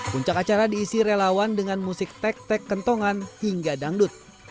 puncak acara diisi relawan dengan musik tek tek kentongan hingga dangdut